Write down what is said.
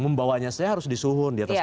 membawanya saya harus disuhun di atas